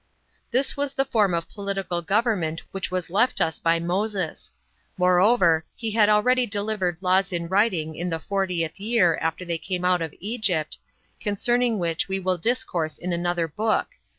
44. This was the form of political government which was left us by Moses. Moreover, he had already delivered laws in writing 33 in the fortieth year [after they came out of Egypt], concerning which we will discourse in another book.